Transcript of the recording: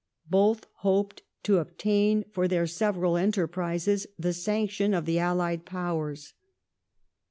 Both hoped to obtain for their several enterprises the sanction of the allied Powers.